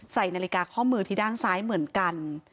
ใส่นาฬิกาข้อมือที่ด้านซ้ายเหมือนกัน